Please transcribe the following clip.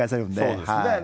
そうですね。